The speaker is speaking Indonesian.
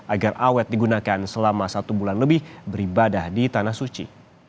agar awet digunakan selama satu bulan lebih beribadah di tanah suci